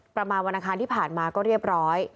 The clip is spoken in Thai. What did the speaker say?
ประมาณวันอังคารที่ผ่านมาก็เรียบร้อย